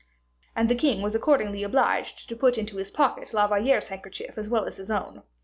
And the king was accordingly obliged to put into his pocket La Valliere's handkerchief as well as his own.